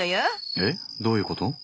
えっどういうこと？